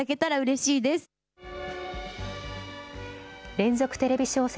連続テレビ小説